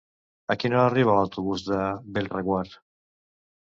A quina hora arriba l'autobús de Bellreguard?